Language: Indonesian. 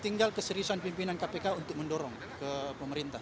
tinggal keseriusan pimpinan kpk untuk mendorong ke pemerintah